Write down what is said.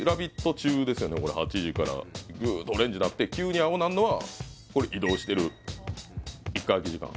中ですよねこれ８時からグーッとオレンジになって急に青なんのがこれ移動してる一回空き時間